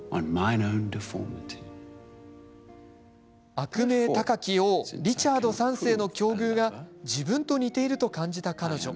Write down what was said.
悪名高き王リチャード３世の境遇が自分と似ていると感じた彼女。